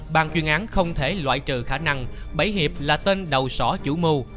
bàn chuyên án không thể loại trừ khả năng bảy hiệp là tên đầu sỏ chủ mưu